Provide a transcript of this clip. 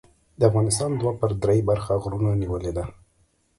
د افغانستان دوه پر درې برخه غرونو نیولې ده.